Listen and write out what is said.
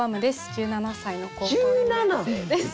１７歳の高校２年生です。